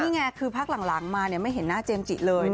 นี่ไงคือพักหลังมาไม่เห็นหน้าเจมส์จิเลย